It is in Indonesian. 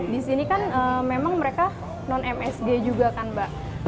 di sini kan memang mereka non msg juga kan mbak